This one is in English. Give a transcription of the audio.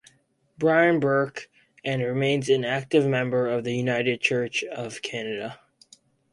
Brian Burke, and remains an active member of the United Church of Canada.